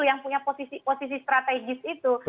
yang punya posisi strategis itu